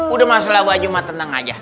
udah masalah baju mah tenang aja